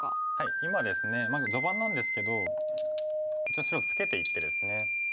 今ですねまだ序盤なんですけどこちら白ツケていってですね。